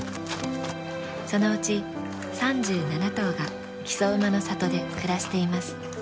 そのうち３７頭が木曽馬の里で暮らしています。